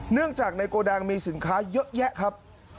เนื่องจากในโกดังมีสินค้าเยอะแยะครับ